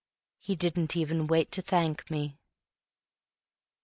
. He didn't even wait to thank me.